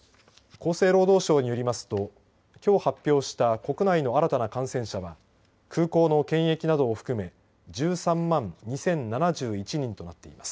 厚生労働省によりますときょう発表した国内の新たな感染者は空港の検疫などを含め１３万２０７１人となっています。